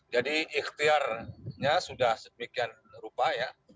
jadi ikhtiarnya sudah sedemikian rupa